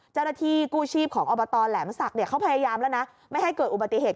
เจ้าหน้าที่กู้ชีพของอบตแหลมศักดิ์เขาพยายามแล้วนะไม่ให้เกิดอุบัติเหตุ